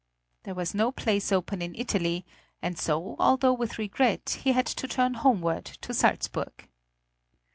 There was no place open in Italy, and so, although with regret, he had to turn homeward to Salzburg.